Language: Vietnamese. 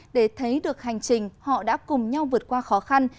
để thấy được hành trình họ đã cùng nhau vượt qua khó khăn